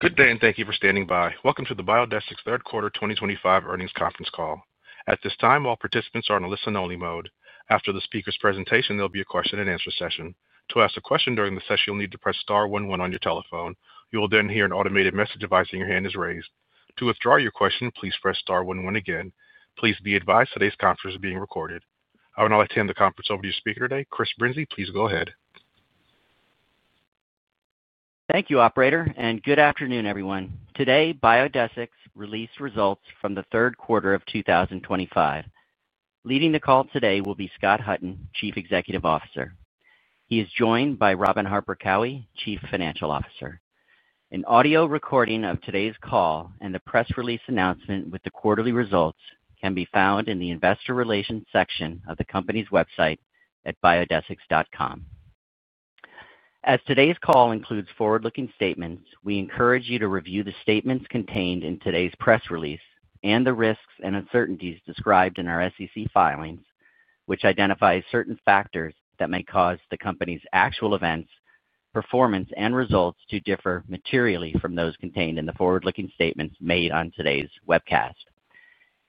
Good day, and thank you for standing by. Welcome to the Biodesix Third Quarter 2025 earnings conference call. At this time, all participants are in a listen-only mode. After the speaker's presentation, there'll be a question-and-answer session. To ask a question during the session, you'll need to press star one one on your telephone. You will then hear an automated message advising your hand is raised. To withdraw your question, please press star one one again. Please be advised today's conference is being recorded. I will now turn the conference over to your speaker today, Chris Brinzey. Please go ahead. Thank you, Operator, and good afternoon, everyone. Today, Biodesix released results from the third quarter of 2025. Leading the call today will be Scott Hutton, Chief Executive Officer. He is joined by Robin Harper Cowie, Chief Financial Officer. An audio recording of today's call and the press release announcement with the quarterly results can be found in the Investor Relations section of the company's website at biodesix.com. As today's call includes forward-looking statements, we encourage you to review the statements contained in today's press release and the risks and uncertainties described in our SEC filings, which identify certain factors that may cause the company's actual events, performance, and results to differ materially from those contained in the forward-looking statements made on today's webcast.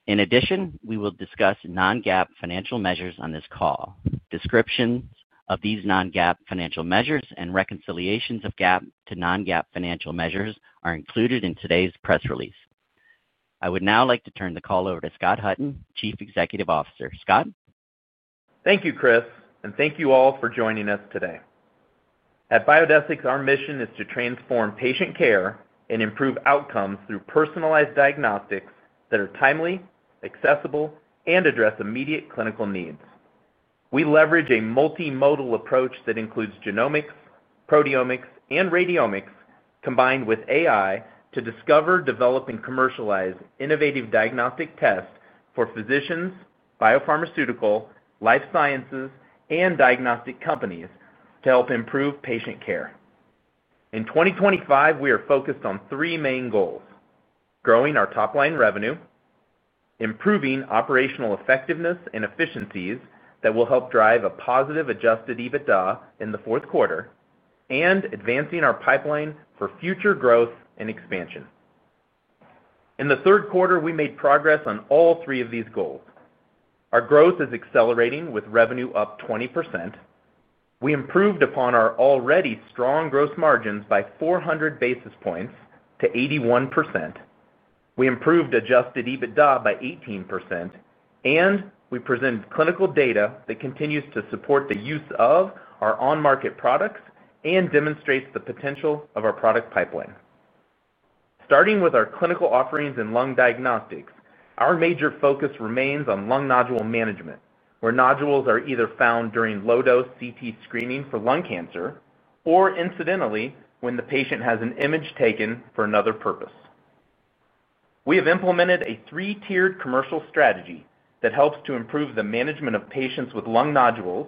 In addition, we will discuss non-GAAP financial measures on this call. Descriptions of these non-GAAP financial measures and reconciliations of GAAP to non-GAAP financial measures are included in today's press release. I would now like to turn the call over to Scott Hutton, Chief Executive Officer. Scott. Thank you, Chris, and thank you all for joining us today. At Biodesix, our mission is to transform patient care and improve outcomes through personalized diagnostics that are timely, accessible, and address immediate clinical needs. We leverage a multimodal approach that includes Genomics, Proteomics, and Radiomics combined with AI to discover, develop, and commercialize innovative diagnostic tests for physicians, biopharmaceutical, life sciences, and diagnostic companies to help improve patient care. In 2025, we are focused on three main goals: growing our top-line revenue, improving operational effectiveness and efficiencies that will help drive a positive Adjusted EBITDA in the fourth quarter, and advancing our pipeline for future growth and expansion. In the third quarter, we made progress on all three of these goals. Our growth is accelerating with revenue up 20%. We improved upon our already strong gross margins by 400 basis points to 81%. We improved Adjusted EBITDA by 18%, and we presented clinical data that continues to support the use of our on-market products and demonstrates the potential of our product pipeline. Starting with our clinical offerings in lung diagnostics, our major focus remains on Lung Nodule Management, where nodules are either found during low-dose CT screening for lung cancer or incidentally when the patient has an image taken for another purpose. We have implemented a three-tiered commercial strategy that helps to improve the management of patients with lung nodules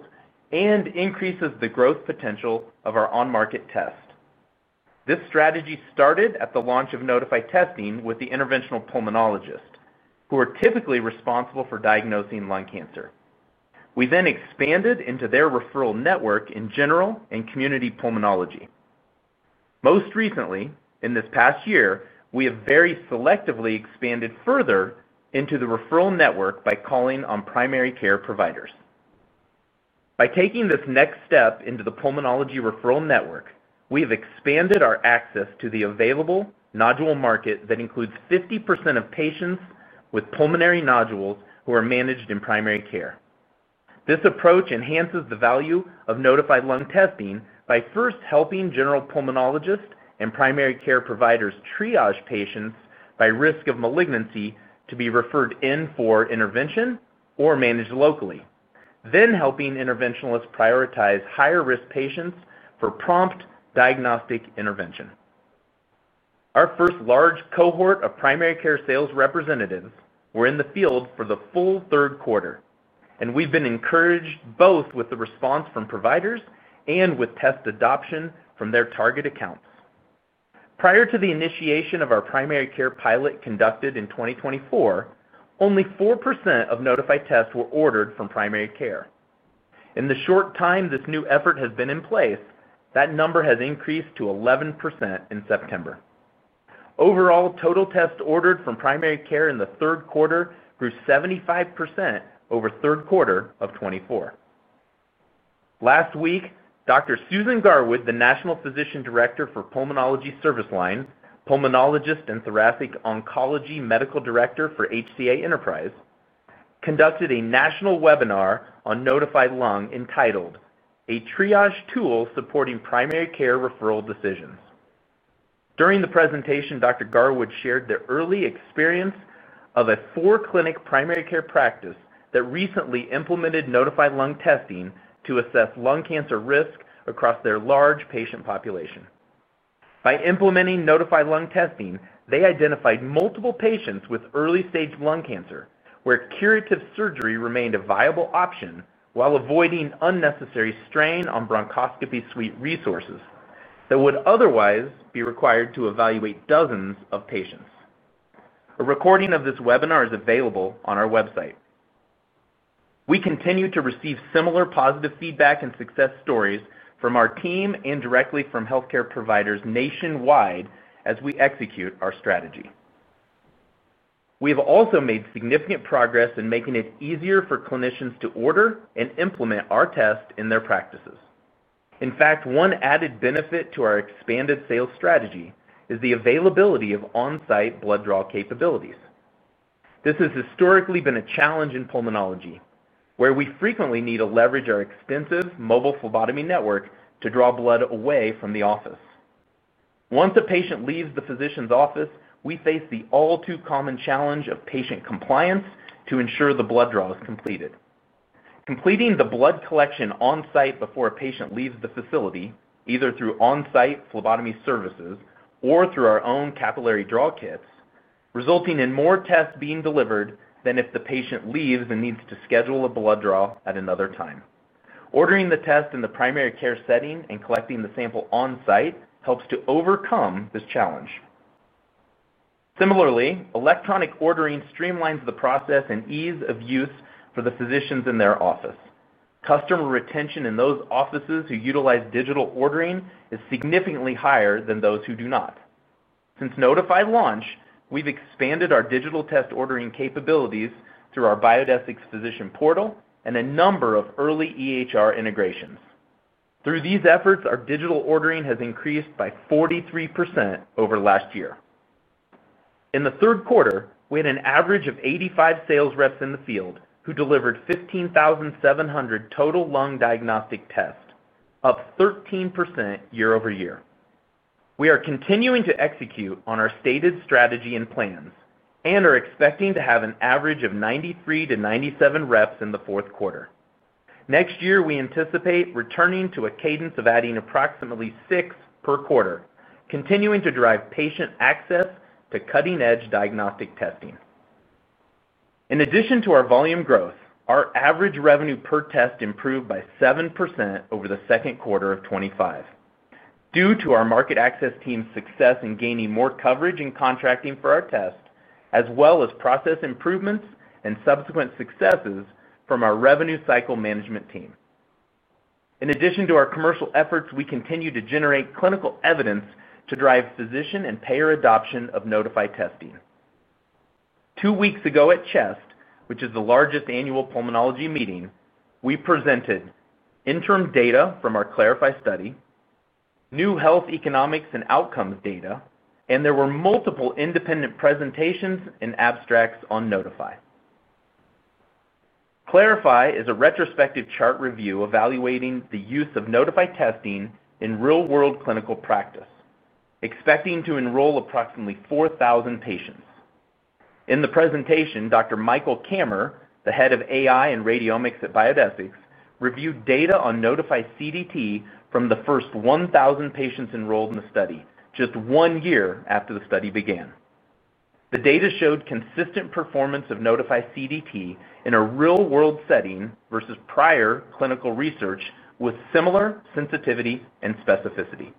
and increases the growth potential of our on-market test. This strategy started at the launch of Nodify testing with the interventional pulmonologists, who are typically responsible for diagnosing lung cancer. We then expanded into their referral network in general and community pulmonology. Most recently, in this past year, we have very selectively expanded further into the referral network by calling on primary care providers. By taking this next step into the pulmonology referral network, we have expanded our access to the available nodule market that includes 50% of patients with pulmonary nodules who are managed in primary care. This approach enhances the value of Nodify lung testing by first helping general pulmonologists and primary care providers triage patients by risk of malignancy to be referred in for intervention or managed locally, then helping interventionalists prioritize higher-risk patients for prompt diagnostic intervention. Our first large cohort of primary care sales representatives were in the field for the full third quarter, and we've been encouraged both with the response from providers and with test adoption from their target accounts. Prior to the initiation of our primary care pilot conducted in 2024, only 4% of Nodify tests were ordered from primary care. In the short time this new effort has been in place, that number has increased to 11% in September. Overall, total tests ordered from primary care in the third quarter grew 75% over the third quarter of 2024. Last week, Dr. Susan Garwood, the National Physician Director for Pulmonology Service Line, pulmonologist and thoracic oncology medical director for HCA Enterprise, conducted a national webinar on Nodify Lung entitled, "A Triage Tool Supporting Primary Care Referral Decisions." During the presentation, Dr. Garwood shared the early experience of a four-clinic primary care practice that recently implemented Nodify Lung testing to assess lung cancer risk across their large patient population. By implementing Nodify Lung testing, they identified multiple patients with early-stage lung cancer where curative surgery remained a viable option while avoiding unnecessary strain on bronchoscopy suite resources that would otherwise be required to evaluate dozens of patients. A recording of this webinar is available on our website. We continue to receive similar positive feedback and success stories from our team and directly from healthcare providers nationwide as we execute our strategy. We have also made significant progress in making it easier for clinicians to order and implement our tests in their practices. In fact, one added benefit to our expanded sales strategy is the availability of on-site blood draw capabilities. This has historically been a challenge in pulmonology, where we frequently need to leverage our extensive mobile phlebotomy network to draw blood away from the office. Once a patient leaves the physician's office, we face the all-too-common challenge of patient compliance to ensure the blood draw is completed. Completing the blood collection on-site before a patient leaves the facility, either through on-site phlebotomy services or through our own capillary draw kits, results in more tests being delivered than if the patient leaves and needs to schedule a blood draw at another time. Ordering the test in the primary care setting and collecting the sample on-site helps to overcome this challenge. Similarly, electronic ordering streamlines the process and ease of use for the physicians in their office. Customer retention in those offices who utilize digital ordering is significantly higher than those who do not. Since Nodify launch, we've expanded our digital test ordering capabilities through our Biodesix Physician Portal and a number of early EHR integrations. Through these efforts, our digital ordering has increased by 43% over last year. In the third quarter, we had an average of 85 sales reps in the field who delivered 15,700 total lung diagnostic tests, up 13% year-over-year. We are continuing to execute on our stated strategy and plans and are expecting to have an average of 93-97 reps in the fourth quarter. Next year, we anticipate returning to a cadence of adding approximately six per quarter, continuing to drive patient access to cutting-edge diagnostic testing. In addition to our volume growth, our average revenue per test improved by 7% over the second quarter of 2025. Due to our market access team's success in gaining more coverage and contracting for our test, as well as process improvements and subsequent successes from our Revenue Cycle Management Team. In addition to our commercial efforts, we continue to generate clinical evidence to drive physician and payer adoption of Nodify testing. Two weeks ago at CHEST, which is the largest annual pulmonology meeting, we presented interim data from our Clarify study. New health economics and outcomes data, and there were multiple independent presentations and abstracts on Nodify. Clarify is a retrospective chart review evaluating the use of Nodify testing in real-world clinical practice, expecting to enroll approximately 4,000 patients. In the presentation, Dr. Michael Kammer, the head of AI and radiomics at Biodesix, reviewed data on Nodify CDT from the first 1,000 patients enrolled in the study, just one year after the study began. The data showed consistent performance of Nodify CDT in a real-world setting versus prior clinical research with similar sensitivity and specificity.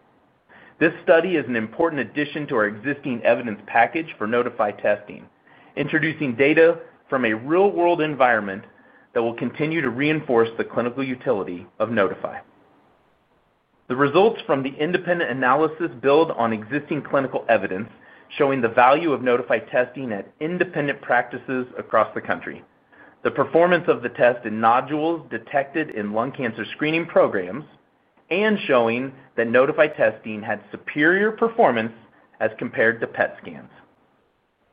This study is an important addition to our existing evidence package for Nodify testing, introducing data from a real-world environment that will continue to reinforce the clinical utility of Nodify. The results from the independent analysis build on existing clinical evidence showing the value of Nodify testing at independent practices across the country, the performance of the test in nodules detected in lung cancer screening programs, and showing that Nodify testing had superior performance as compared to PET scans.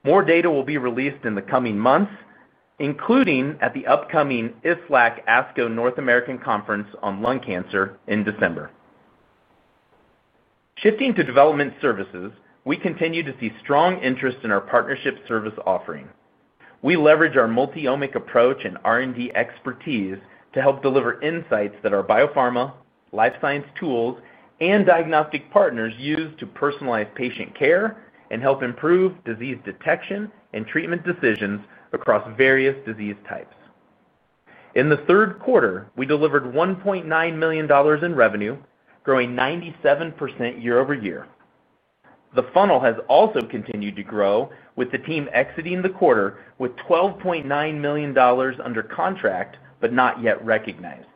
More data will be released in the coming months, including at the upcoming IASLC ASCO North America Conference on Lung Cancer in December. Shifting to development services, we continue to see strong interest in our partnership service offering. We leverage our multi-omic approach and R&D expertise to help deliver insights that our biopharma, life science tools, and diagnostic partners use to personalize patient care and help improve disease detection and treatment decisions across various disease types. In the third quarter, we delivered $1.9 million in revenue, growing 97% year-over-year. The funnel has also continued to grow, with the team exiting the quarter with $12.9 million under contract but not yet recognized,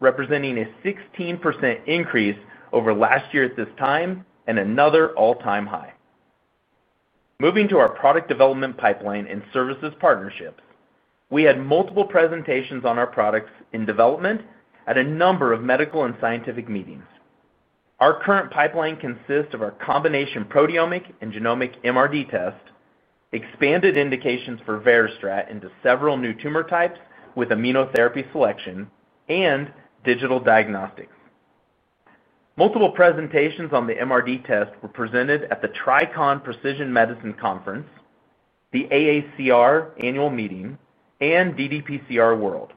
representing a 16% increase over last year at this time and another all-time high. Moving to our product development pipeline and services partnerships, we had multiple presentations on our products in development at a number of medical and scientific meetings. Our current pipeline consists of our combination Proteomic and Genomic MRD test, expanded indications for VeriStrat into several new tumor types with immunotherapy selection, and digital diagnostics. Multiple presentations on the MRD test were presented at the TRICON Precision Medicine Conference, the AACR annual meeting, and DDPCR World.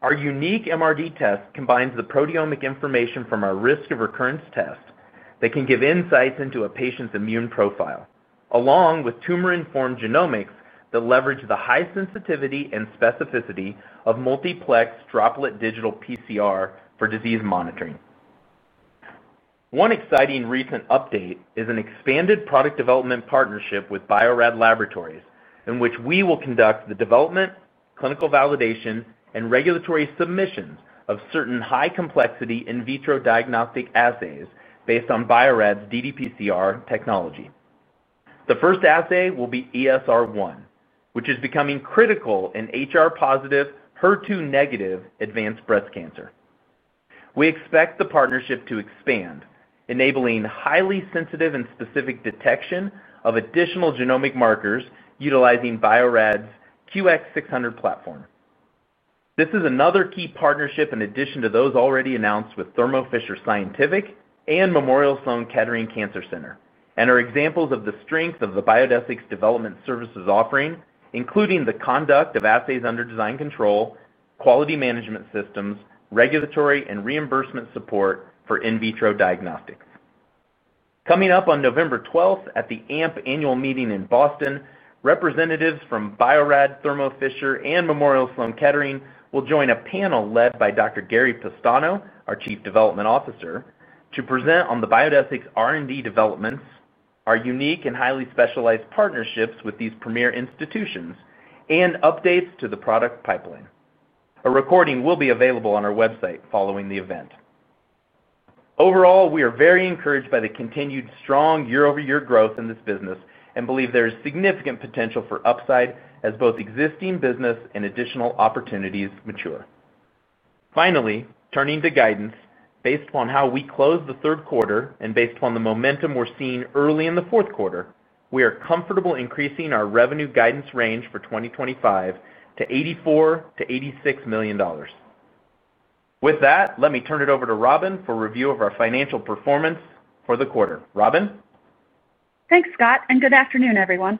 Our unique MRD test combines the Proteomic information from our risk of recurrence test that can give insights into a patient's immune profile, along with tumor-informed genomics that leverage the high sensitivity and specificity of multiplex droplet digital PCR for disease monitoring. One exciting recent update is an expanded product development partnership with Bio-Rad Laboratories, in which we will conduct the development, clinical validation, and regulatory submissions of certain high-complexity in vitro diagnostic assays based on Bio-Rad's droplet digital PCR technology. The first assay will be ESR1, which is becoming critical in HR+, HER2- advanced breast cancer. We expect the partnership to expand, enabling highly sensitive and specific detection of additional genomic markers utilizing Bio-Rad's QX600 platform. This is another key partnership in addition to those already announced with Thermo Fisher Scientific and Memorial Sloan Kettering Cancer Center and are examples of the strength of the Biodesix development services offering, including the conduct of assays under design control, quality management systems, regulatory, and reimbursement support for in vitro diagnostics. Coming up on November 12th at the AMP annual meeting in Boston, representatives from Bio-Rad, Thermo Fisher Scientific, and Memorial Sloan Kettering Cancer Center will join a panel led by Dr. Gary Pestano, our Chief Development Officer, to present on the Biodesix R&D developments, our unique and highly specialized partnerships with these premier institutions, and updates to the product pipeline. A recording will be available on our website following the event. Overall, we are very encouraged by the continued strong year-over-year growth in this business and believe there is significant potential for upside as both existing business and additional opportunities mature. Finally, turning to guidance, based upon how we closed the third quarter and based upon the momentum we're seeing early in the fourth quarter, we are comfortable increasing our revenue guidance range for 2025 to $84 million-$86 million. With that, let me turn it over to Robin for review of our financial performance for the quarter. Robin? Thanks, Scott, and good afternoon, everyone.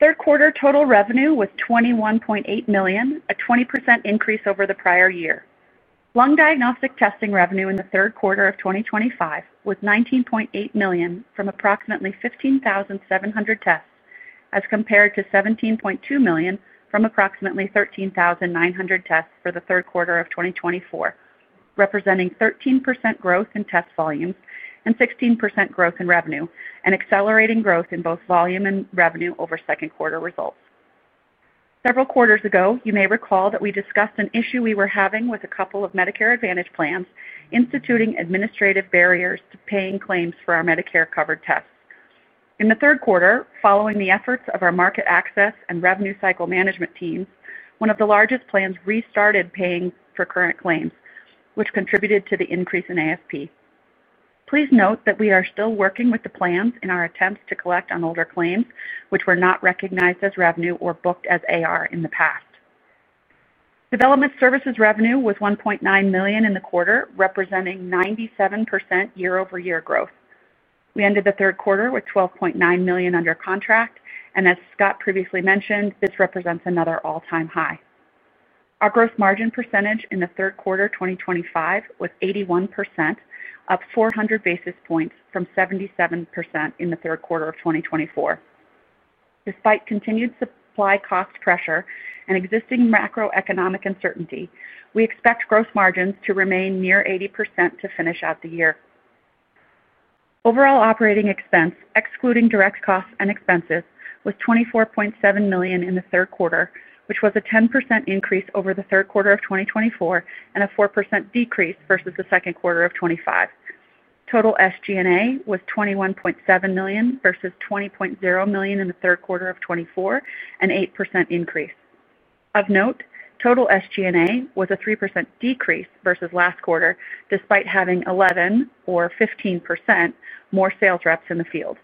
Third quarter total revenue was $21.8 million, a 20% increase over the prior year. Lung diagnostic testing revenue in the third quarter of 2025 was $19.8 million from approximately 15,700 tests as compared to $17.2 million from approximately 13,900 tests for the third quarter of 2024, representing 13% growth in test volumes and 16% growth in revenue, and accelerating growth in both volume and revenue over second quarter results. Several quarters ago, you may recall that we discussed an issue we were having with a couple of Medicare Advantage plans instituting administrative barriers to paying claims for our Medicare-covered tests. In the third quarter, following the efforts of our market access and revenue cycle management teams, one of the largest plans restarted paying for current claims, which contributed to the increase in AFP. Please note that we are still working with the plans in our attempts to collect on older claims, which were not recognized as revenue or booked as AR in the past. Development services revenue was $1.9 million in the quarter, representing 97% year-over-year growth. We ended the third quarter with $12.9 million under contract, and as Scott previously mentioned, this represents another all-time high. Our gross margin percentage in the third quarter of 2025 was 81%, up 400 basis points from 77% in the third quarter of 2024. Despite continued supply cost pressure and existing macroeconomic uncertainty, we expect gross margins to remain near 80% to finish out the year. Overall operating expense, excluding direct costs and expenses, was $24.7 million in the third quarter, which was a 10% increase over the third quarter of 2024 and a 4% decrease versus the second quarter of 2025. Total SG&A was $21.7 million vs $20.0 million in the third quarter of 2024, an 8% increase. Of note, total SG&A was a 3% decrease versus last quarter, despite having 11% or 15% more sales reps in the field.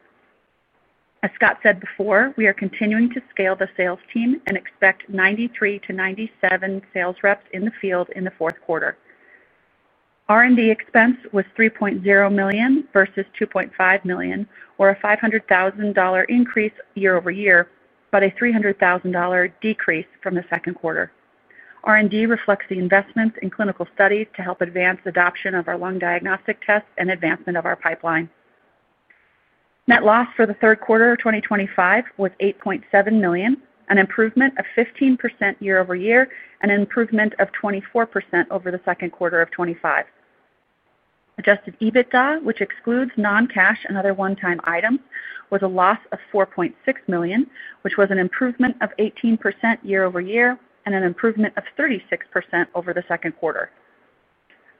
As Scott said before, we are continuing to scale the sales team and expect 93-97 sales reps in the field in the fourth quarter. R&D expense was $3.0 million vs $2.5 million, or a $500,000 increase year-over-year, but a $300,000 decrease from the second quarter. R&D reflects the investments in clinical studies to help advance adoption of our lung diagnostic tests and advancement of our pipeline. Net loss for the third quarter of 2025 was $8.7 million, an improvement of 15% year-over-year and an improvement of 24% over the second quarter of 2025. Adjusted EBITDA, which excludes non-cash and other one-time items, was a loss of $4.6 million, which was an improvement of 18% year-over-year and an improvement of 36% over the second quarter.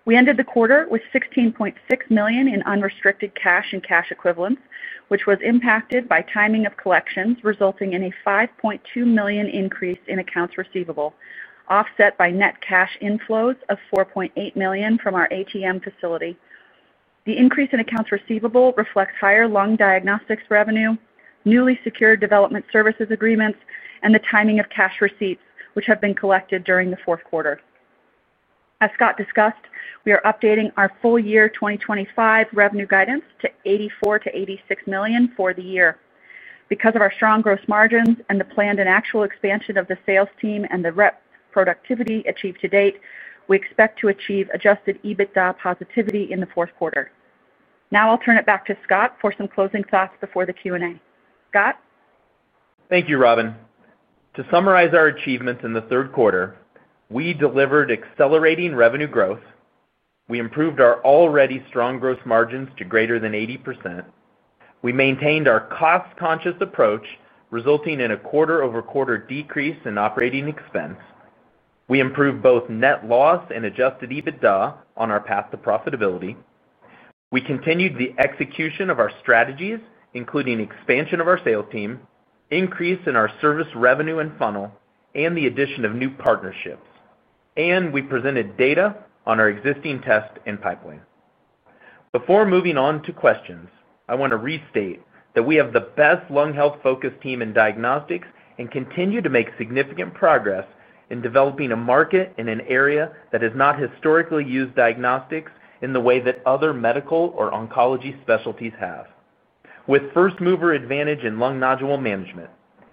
We ended the quarter with $16.6 million in unrestricted cash and cash equivalents, which was impacted by timing of collections, resulting in a $5.2 million increase in accounts receivable, offset by net cash inflows of $4.8 million from our ATM facility. The increase in accounts receivable reflects higher lung diagnostics revenue, newly secured development services agreements, and the timing of cash receipts, which have been collected during the fourth quarter. As Scott discussed, we are updating our full year 2025 revenue guidance to $84 million-$86 million for the year. Because of our strong gross margins and the planned and actual expansion of the sales team and the rep productivity achieved to date, we expect to achieve Adjusted EBITDA positivity in the fourth quarter. Now I'll turn it back to Scott for some closing thoughts before the Q&A. Scott? Thank you, Robin. To summarize our achievements in the third quarter, we delivered accelerating revenue growth. We improved our already strong gross margins to greater than 80%. We maintained our cost-conscious approach, resulting in a quarter-over-quarter decrease in operating expense. We improved both net loss and Adjusted EBITDA on our path to profitability. We continued the execution of our strategies, including expansion of our sales team, increase in our service revenue and funnel, and the addition of new partnerships. We presented data on our existing test and pipeline. Before moving on to questions, I want to restate that we have the best lung health-focused team in diagnostics and continue to make significant progress in developing a market in an area that has not historically used diagnostics in the way that other medical or oncology specialties have. With first-mover advantage in lung nodule management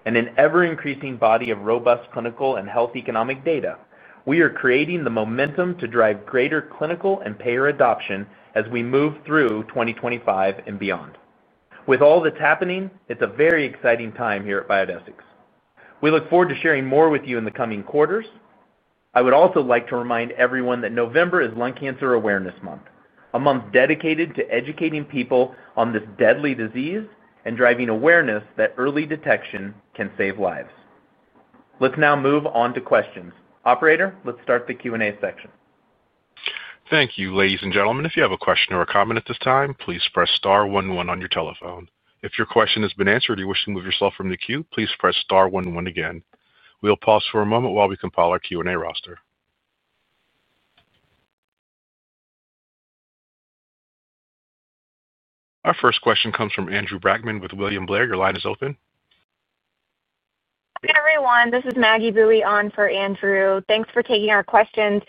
and an ever-increasing body of robust clinical and health economic data, we are creating the momentum to drive greater clinical and payer adoption as we move through 2025 and beyond. With all that's happening, it's a very exciting time here at Biodesix. We look forward to sharing more with you in the coming quarters. I would also like to remind everyone that November is Lung Cancer Awareness Month, a month dedicated to educating people on this deadly disease and driving awareness that early detection can save lives. Let's now move on to questions. Operator, let's start the Q&A section. Thank you, ladies and gentlemen. If you have a question or a comment at this time, please press star one one on your telephone. If your question has been answered or you wish to move yourself from the queue, please press star one one again. We'll pause for a moment while we compile our Q&A roster. Our first question comes from Andrew Brackmann with William Blair. Your line is open. Hey, everyone. This is Maggie Boeye on for Andrew. Thanks for taking our questions.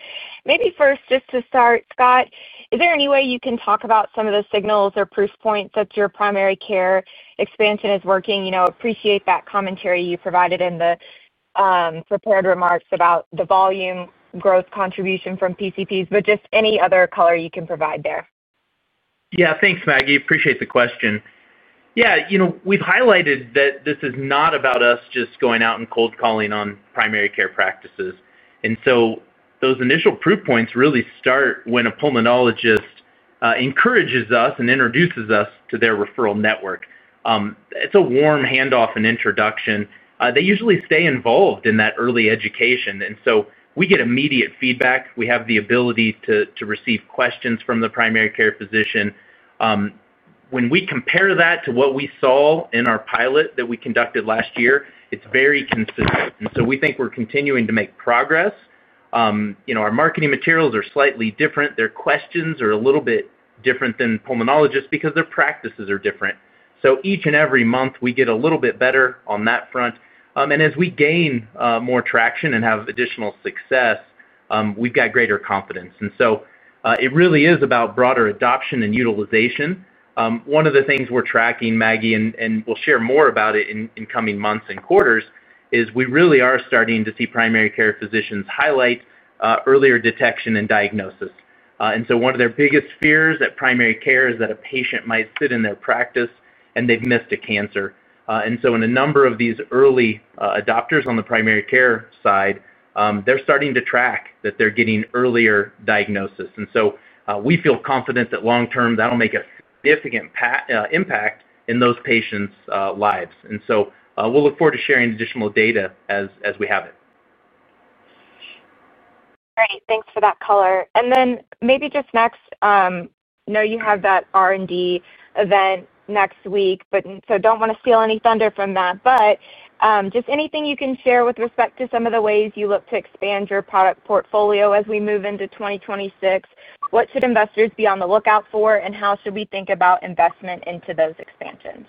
Maybe first, just to start, Scott, is there any way you can talk about some of the signals or proof points that your primary care expansion is working? Appreciate that commentary you provided in the prepared remarks about the volume growth contribution from PCPs, but just any other color you can provide there? Yeah, thanks, Maggie. Appreciate the question. Yeah, we've highlighted that this is not about us just going out and cold calling on primary care practices. Those initial proof points really start when a pulmonologist encourages us and introduces us to their referral network. It's a warm handoff and introduction. They usually stay involved in that early education. We get immediate feedback. We have the ability to receive questions from the primary care physician. When we compare that to what we saw in our pilot that we conducted last year, it's very consistent. We think we're continuing to make progress. Our marketing materials are slightly different. Their questions are a little bit different than pulmonologists' because their practices are different. Each and every month, we get a little bit better on that front. As we gain more traction and have additional success, we've got greater confidence. It really is about broader adoption and utilization. One of the things we're tracking, Maggie, and we'll share more about it in coming months and quarters, is we really are starting to see primary care physicians highlight earlier detection and diagnosis. One of their biggest fears at primary care is that a patient might sit in their practice and they've missed a cancer. In a number of these early adopters on the primary care side, they're starting to track that they're getting earlier diagnosis. We feel confident that long-term, that'll make a significant impact in those patients' lives. We'll look forward to sharing additional data as we have it. Great. Thanks for that color. Maybe just next, I know you have that R&D event next week, so do not want to steal any thunder from that. Just anything you can share with respect to some of the ways you look to expand your product portfolio as we move into 2026? What should investors be on the lookout for, and how should we think about investment into those expansions?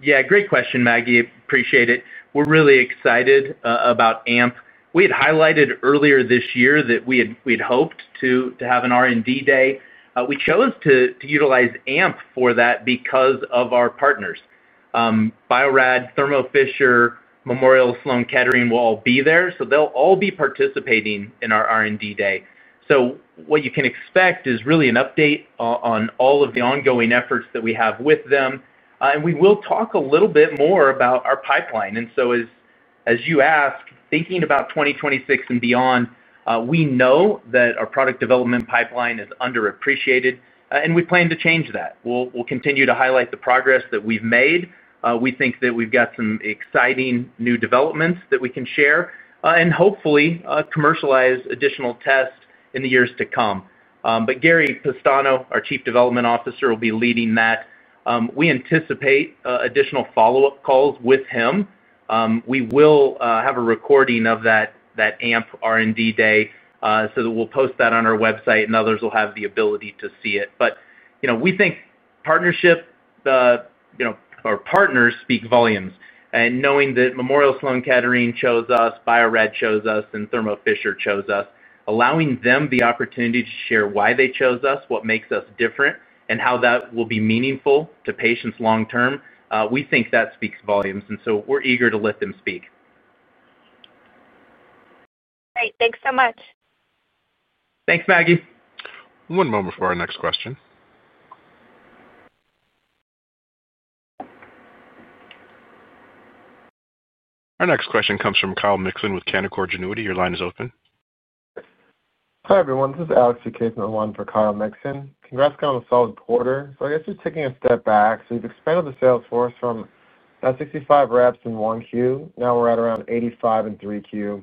Yeah, great question, Maggie. Appreciate it. We're really excited about AMP. We had highlighted earlier this year that we had hoped to have an R&D day. We chose to utilize AMP for that because of our partners. Bio-Rad Laboratories, Thermo Fisher Scientific, Memorial Sloan Kettering Cancer Center will all be there, so they'll all be participating in our R&D day. What you can expect is really an update on all of the ongoing efforts that we have with them. We will talk a little bit more about our pipeline. As you asked, thinking about 2026 and beyond, we know that our product development pipeline is underappreciated, and we plan to change that. We'll continue to highlight the progress that we've made. We think that we've got some exciting new developments that we can share and hopefully commercialize additional tests in the years to come. Gary Pestano, our Chief Development Officer, will be leading that. We anticipate additional follow-up calls with him. We will have a recording of that AMP R&D day, so we'll post that on our website, and others will have the ability to see it. We think partnership. Our partners speak volumes. Knowing that Memorial Sloan Kettering Cancer Center chose us, Bio-Rad Laboratories chose us, and Thermo Fisher Scientific chose us, allowing them the opportunity to share why they chose us, what makes us different, and how that will be meaningful to patients long-term, we think that speaks volumes. We're eager to let them speak. Great. Thanks so much. Thanks, Maggie. One moment for our next question. Our next question comes from Kyle Mikson with Canaccord Genuity. Your line is open. Hi, everyone. This is Alex Vukasin with one for Kyle Mikson. Congrats again on the solid quarter. I guess just taking a step back, we've expanded the sales force from 65 reps in Q1. Now we're at around 85 in Q3,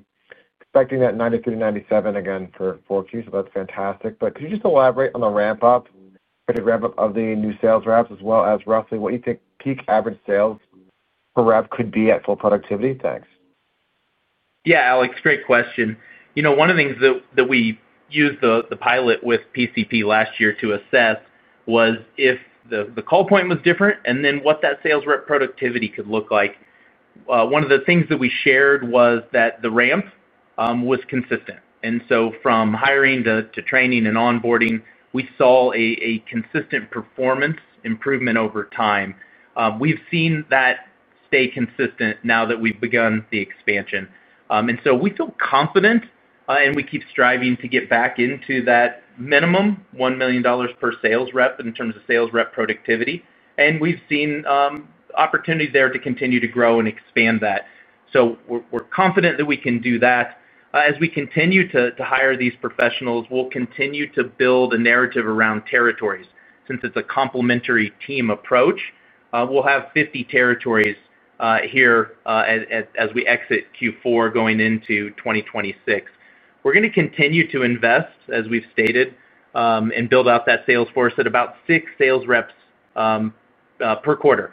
expecting that 93-97 again for Q4. That's fantastic. Could you just elaborate on the ramp-up, the ramp-up of the new sales reps, as well as roughly what you think peak average sales per rep could be at full productivity? Thanks. Yeah, Alex, great question. One of the things that we used the pilot with PCP last year to assess was if the call point was different and then what that sales rep productivity could look like. One of the things that we shared was that the ramp was consistent. From hiring to training and onboarding, we saw a consistent performance improvement over time. We've seen that stay consistent now that we've begun the expansion. We feel confident, and we keep striving to get back into that minimum, $1 million/sales rep in terms of sales rep productivity. We've seen opportunity there to continue to grow and expand that. We are confident that we can do that. As we continue to hire these professionals, we'll continue to build a narrative around territories. Since it's a complementary team approach, we'll have 50 territories here as we exit Q4 going into 2026. We're going to continue to invest, as we've stated, and build out that sales force at about six sales reps per quarter.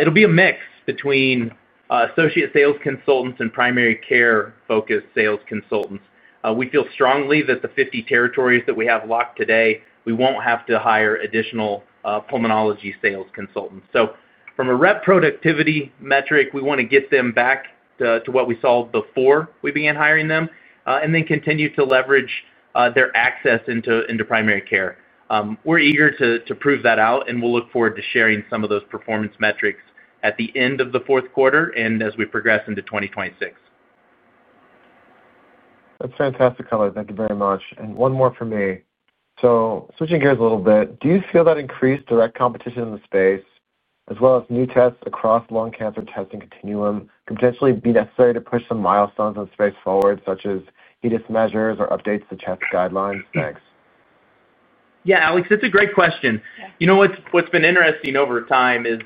It'll be a mix between associate sales consultants and primary care-focused sales consultants. We feel strongly that the 50 territories that we have locked today, we won't have to hire additional pulmonology sales consultants. From a rep productivity metric, we want to get them back to what we saw before we began hiring them and then continue to leverage their access into primary care. We're eager to prove that out, and we'll look forward to sharing some of those performance metrics at the end of the fourth quarter and as we progress into 2026. That's fantastic color. Thank you very much. One more for me. Switching gears a little bit, do you feel that increased direct competition in the space, as well as new tests across lung cancer testing continuum, could potentially be necessary to push some milestones in the space forward, such as HEDIS measures or updates to test guidelines? Thanks. Yeah, Alex, that's a great question. You know what's been interesting over time is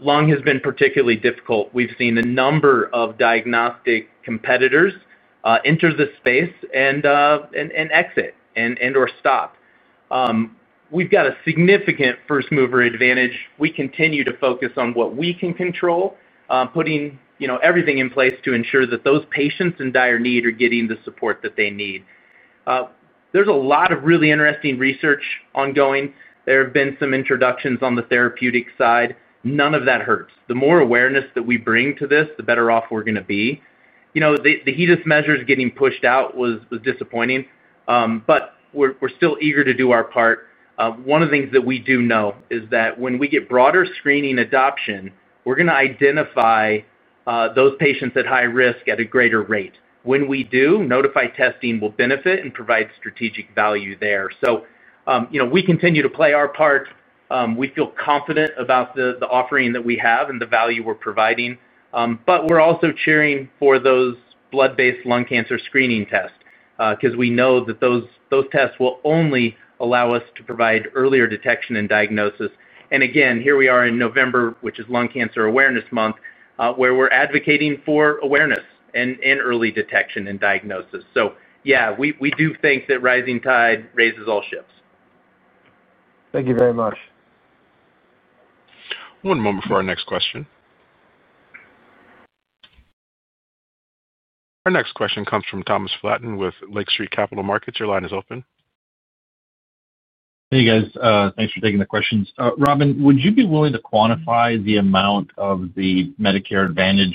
lung has been particularly difficult. We've seen a number of diagnostic competitors enter the space and exit and/or stop. We've got a significant first-mover advantage. We continue to focus on what we can control, putting everything in place to ensure that those patients in dire need are getting the support that they need. There's a lot of really interesting research ongoing. There have been some introductions on the therapeutic side. None of that hurts. The more awareness that we bring to this, the better off we're going to be. The HEDIS measures getting pushed out was disappointing, but we're still eager to do our part. One of the things that we do know is that when we get broader screening adoption, we're going to identify those patients at high risk at a greater rate. When we do, Nodify testing will benefit and provide strategic value there. We continue to play our part. We feel confident about the offering that we have and the value we're providing. We're also cheering for those blood-based lung cancer screening tests because we know that those tests will only allow us to provide earlier detection and diagnosis. Again, here we are in November, which is Lung Cancer Awareness Month, where we're advocating for awareness and early detection and diagnosis. Yeah, we do think that rising tide raises all ships. Thank you very much. One moment for our next question. Our next question comes from Thomas Flaten with Lake Street Capital Markets. Your line is open. Hey, guys. Thanks for taking the questions. Robin, would you be willing to quantify the amount of the Medicare Advantage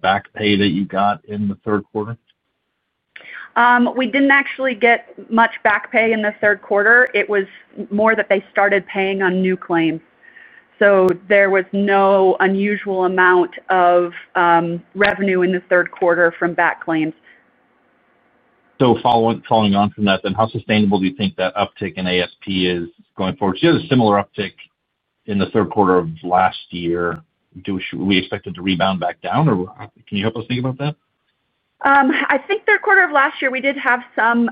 back pay that you got in the third quarter? We didn't actually get much back pay in the third quarter. It was more that they started paying on new claims. There was no unusual amount of revenue in the third quarter from back claims. Following on from that, then how sustainable do you think that uptick in ASP is going forward? You had a similar uptick in the third quarter of last year. Were we expected to rebound back down, or can you help us think about that? I think third quarter of last year, we did have some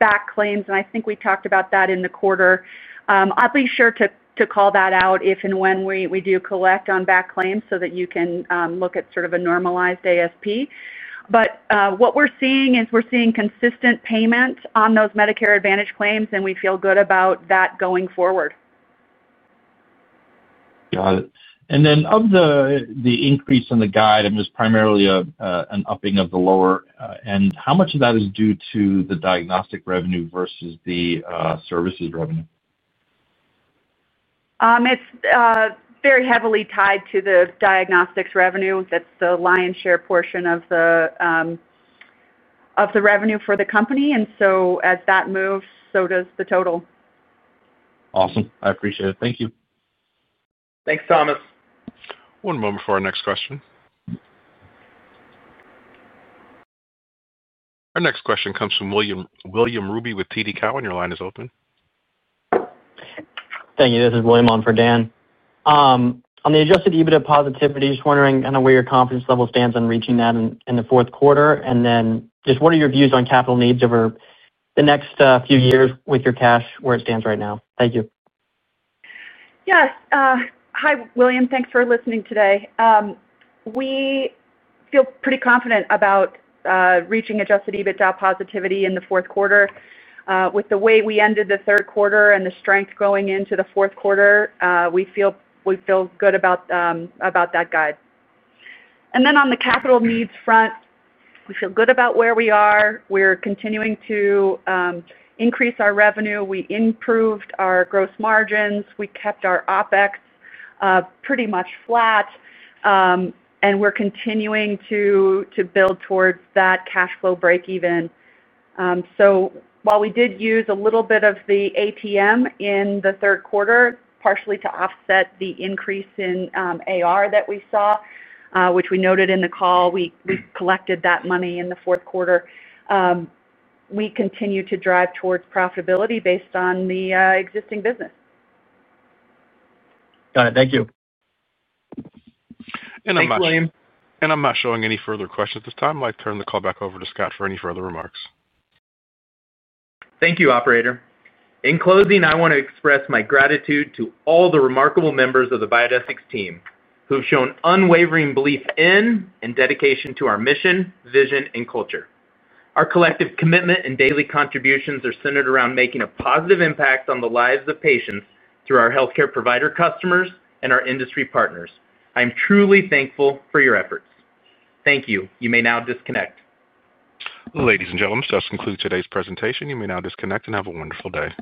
back claims, and I think we talked about that in the quarter. I'll be sure to call that out if and when we do collect on back claims so that you can look at sort of a normalized ASP. What we're seeing is we're seeing consistent payment on those Medicare Advantage claims, and we feel good about that going forward. Got it. Of the increase in the guide, it was primarily an upping of the lower end. How much of that is due to the diagnostic revenue versus the services revenue? It's very heavily tied to the diagnostics revenue. That's the lion's share portion of the revenue for the company. As that moves, so does the total. Awesome. I appreciate it. Thank you. Thanks, Thomas. One moment for our next question. Our next question comes from William Ruby with TD Cowen. Your line is open. Thank you. This is William on for Dan. On the Adjusted EBITDA positivity, just wondering kind of where your confidence level stands on reaching that in the fourth quarter. What are your views on capital needs over the next few years with your cash where it stands right now? Thank you. Yeah. Hi, William. Thanks for listening today. We feel pretty confident about reaching adjusted EBITDA positivity in the fourth quarter. With the way we ended the third quarter and the strength going into the fourth quarter, we feel good about that guide. On the capital needs front, we feel good about where we are. We're continuing to increase our revenue. We improved our gross margins. We kept our OpEx pretty much flat. We're continuing to build towards that cash flow breakeven. While we did use a little bit of the ATM in the third quarter, partially to offset the increase in AR that we saw, which we noted in the call, we collected that money in the fourth quarter. We continue to drive towards profitability based on the existing business. Got it. Thank you. Thanks, William. I'm not showing any further questions at this time. I'd like to turn the call back over to Scott for any further remarks. Thank you, Operator. In closing, I want to express my gratitude to all the remarkable members of the Biodesix team who've shown unwavering belief in and dedication to our mission, vision, and culture. Our collective commitment and daily contributions are centered around making a positive impact on the lives of patients through our healthcare provider customers and our industry partners. I'm truly thankful for your efforts. Thank you. You may now disconnect. Ladies and gentlemen, that concludes today's presentation. You may now disconnect and have a wonderful day.